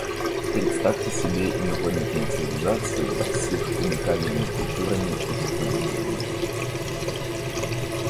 Представьте себе инопланетные цивилизации, с их уникальными культурами и технологиями.